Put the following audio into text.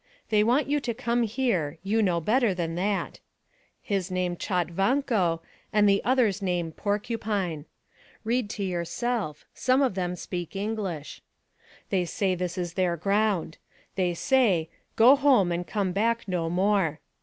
They want you to come here you know better than that. His name Chatvanco and the other's name Porcupine. Read to yourself, some of them can talk English. They say this is their ground. They say, ' Go home and come back no more.'